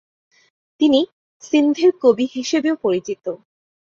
তিনি সিন্ধের কবি হিসাবেও পরিচিত।